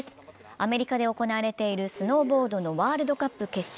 アメリカで行われているスノーボードのワールドカップ決勝。